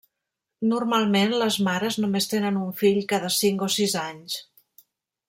Normalment les mares només tenen un fill cada cinc o sis anys.